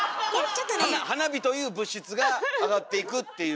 花火という物質が上がっていくっていう。